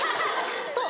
そう！